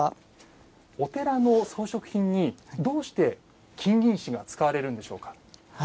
お寺の装飾品にどうして金銀糸が使われるんでしょうか？